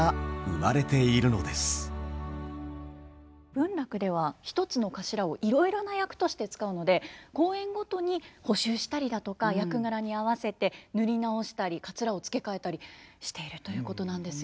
文楽では１つのかしらをいろいろな役として使うので公演ごとに補修したりだとか役柄に合わせて塗り直したりカツラを付け替えたりしているということなんですよ。